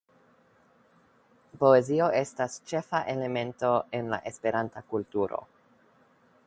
Poezio estas ĉefa elemento en la Esperanta kulturo.